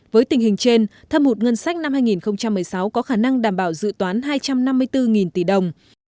với tình hình trên thâm hụt ngân sách năm hai nghìn một mươi sáu có khả năng đảm bảo dự toán hai trăm năm mươi bốn tỷ đồng